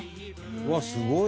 「うわっすごい！